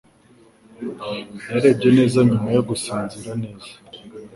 Yarebye neza nyuma yo gusinzira neza